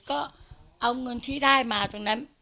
ก็เอาเงินที่ได้มาตรงนั้น